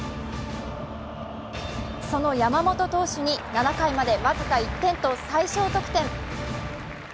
その山本投手に７回まで僅か１点と最少得点。